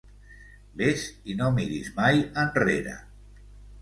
Vés i no miris mai enrere.